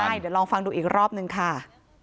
เดี๋ยวลองฟังดูอีกรอบนึงค่ะ